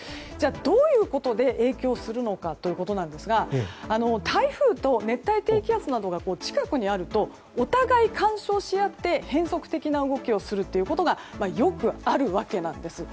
どういうことで影響するのかですが台風と熱帯低気圧などが近くにあるとお互い干渉し合って変則的な動きをすることがよくあるわけなんです。